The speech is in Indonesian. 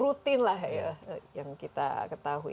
rutin lah ya yang kita ketahui